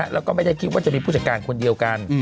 แล้วก็ไม่ได้คิดว่าจะมีผู้จัดการคนเดียวกัน